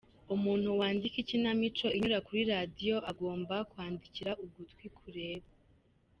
Umuntu wandika ikinamico inyura kuri Radio agomba kwandikira ugutwi kureba.